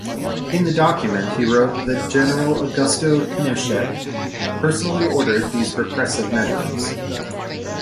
In the document he wrote that General Augusto Pinochet personally ordered these repressive measures.